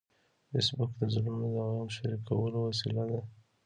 فېسبوک د زړونو د غم شریکولو وسیله ده